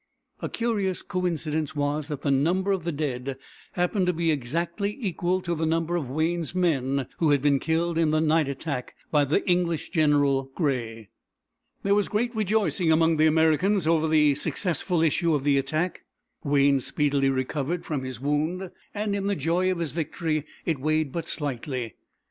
A curious coincidence was that the number of the dead happened to be exactly equal to the number of Wayne's men who had been killed in the night attack by the English general, Grey. There was great rejoicing among the Americans over the successful issue of the attack. Wayne speedily recovered from his wound, and in the joy of his victory it weighed but slightly.